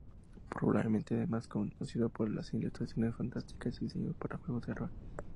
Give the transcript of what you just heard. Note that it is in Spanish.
Probablemente es más conocido por sus ilustraciones fantásticas y diseños para juegos de rol.